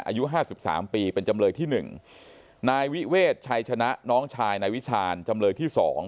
อายุห้าสิบสามปีเป็นจำเลยที่หนึ่งนายวิเวศชัยชนะน้องชายนายวิชาญจำเลยที่สอง